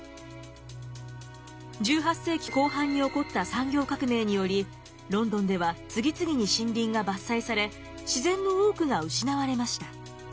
１８世紀後半に起こった産業革命によりロンドンでは次々に森林が伐採され自然の多くが失われました。